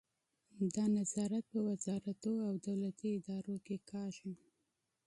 دا نظارت په وزارتونو او دولتي ادارو کې کیږي.